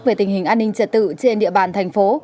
về tình hình an ninh trật tự trên địa bàn thành phố